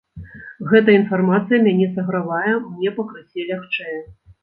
Гэта інфармацыя мяне сагравае, мне пакрысе лягчэе.